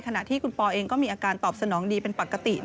ขณะที่คุณปอเองก็มีอาการตอบสนองดีเป็นปกติ